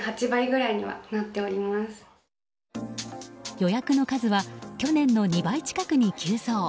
予約の数は去年の２倍近くに急増。